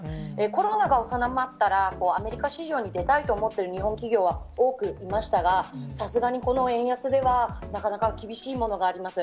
コロナが収まったら、アメリカ市場に出たいと思っている日本企業は多くいましたが、さすがにこの円安では、なかなか厳しいものがあります。